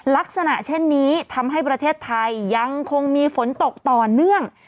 ลักษณะเช่นนี้ทำให้ประเทศไทยยังคงมีฝนตกต่อเนื่อง